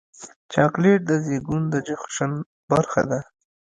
چاکلېټ د زیږون د جشن برخه ده.